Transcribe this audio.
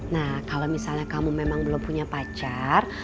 nah kalau misalnya kamu memang belum punya pacar